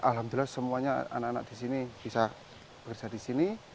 alhamdulillah semuanya anak anak di sini bisa bekerja di sini